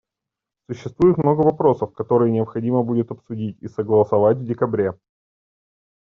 Существует много вопросов, которые необходимо будет обсудить и согласовать в декабре.